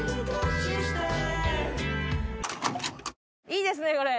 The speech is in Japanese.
いいですねこれ。